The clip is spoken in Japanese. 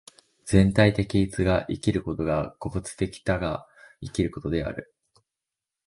全体的一が生きることが個物的多が生きることである。